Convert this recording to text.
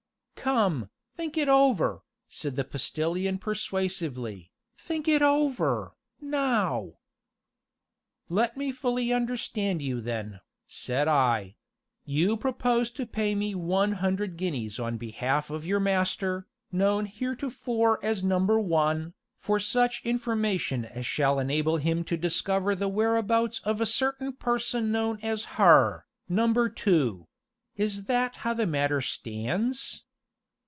"Come, think it over," said the Postilion persuasively, "think it over, now!" "Let me fully understand you then," said I; "you propose to pay me one hundred guineas on behalf of your master, known heretofore as Number One, for such information as shall enable him to discover the whereabouts of a certain person known as Her, Number Two is that how the matter stands?"